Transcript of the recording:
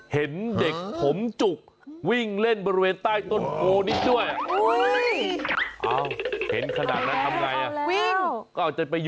เห็นเด็กผมจุกวิ่งเล่นบริเวณใต้ต้นโพนี้ด้วย